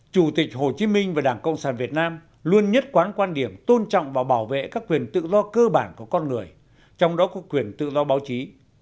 chủ tịch hồ chí minh và đảng cộng sản việt nam luôn nhất quán quan điểm tôn trọng và bảo vệ các quyền tự do cơ bản của con người trong đó có quyền tự do báo chí